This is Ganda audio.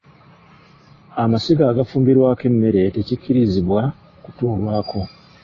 Amasiga agafumbirwako emmere tekikkirizibwa kutuulwako.